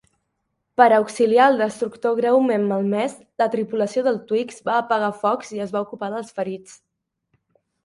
Per auxiliar el destructor greument malmès, la tripulació del "Twiggs" va apagar focs i es va ocupar dels ferits.